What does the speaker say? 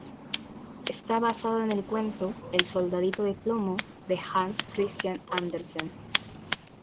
Está basado en el cuento "El soldadito de plomo", de Hans Christian Andersen.